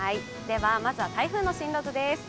まずは台風の進路図です。